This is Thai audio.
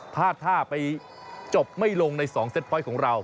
พาดท่าไปจบไม่ลงใน๒เซตพอยต์ของเรา